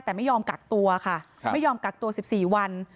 แต่ไม่ยอมกักตัวค่ะไม่ยอมกักตัว๑๔วัน